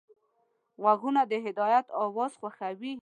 غوږونه د هدایت اواز خوښوي